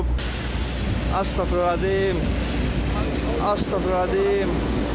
pas salah gerak pas disiapkan pas